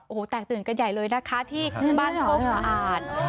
โอ้โหแตกตื่นกันใหญ่เลยนะคะที่บ้านโคกสะอาด